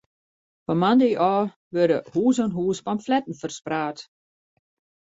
Fan moandei ôf wurde hûs oan hûs pamfletten ferspraat.